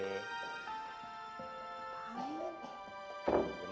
si cantik rere